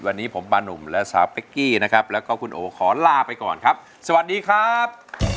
วันนี้ผมบานุ่มและสาวเป๊กกี้นะครับแล้วก็คุณโอขอลาไปก่อนครับสวัสดีครับ